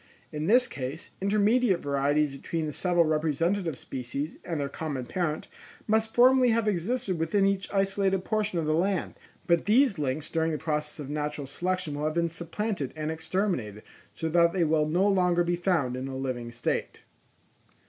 In this case, intermediate varieties between the several representative species and their common parent, must formerly have existed within each isolated portion of the land, but these links during the process of natural selection will have been supplanted and exterminated, so that they will no longer be found in a living state.